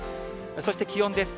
そして気温です。